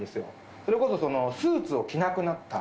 それこそ、スーツを着なくなった。